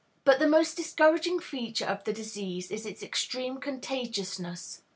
But the most discouraging feature of the disease is its extreme contagiousness.